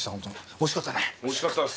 おいしかったっす。